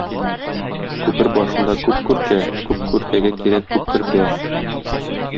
Күпер башында күп күркә, күп күркәгә кирәк күп көрпә